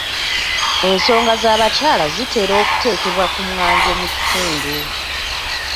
Ensonga z'abakyala zitera okuteekebwa ku mwanjo mu kitundu.